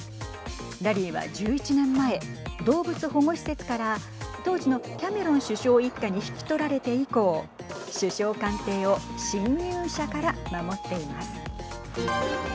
ラリーは１１年前動物保護施設から当時のキャメロン首相一家に引き取られて以降首相官邸を侵入者から守っています。